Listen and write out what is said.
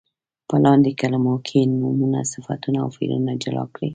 په لاندې کلمو کې نومونه، صفتونه او فعلونه جلا کړئ.